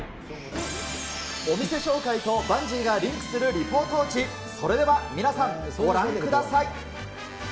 お店紹介とバンジーがリンクするリポート落ち、それでは皆さん、ご覧ください。